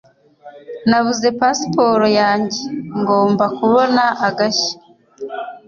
Nabuze pasiporo yanjye. Ngomba kubona agashya.